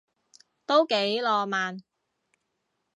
都幾浪漫